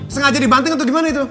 sengaja dibanting atau gimana itu